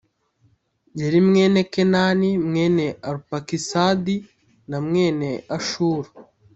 yari mwene kenani mwene arupakisadi na mwene ashulu